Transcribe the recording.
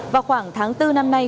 vào khoảng tháng bốn năm nay